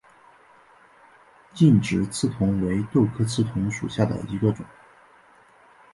劲直刺桐为豆科刺桐属下的一个种。